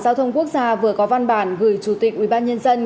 không có người bị thương